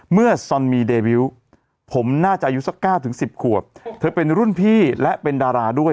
ซอนมีเดวิวผมน่าจะอายุสัก๙๑๐ขวบเธอเป็นรุ่นพี่และเป็นดาราด้วย